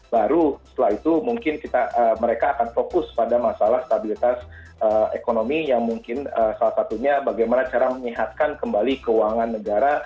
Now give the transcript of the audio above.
baru setelah itu mungkin mereka akan fokus pada masalah stabilitas ekonomi yang mungkin salah satunya bagaimana cara menyehatkan kembali keuangan negara